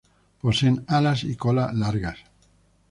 Poseen alas y cola largas.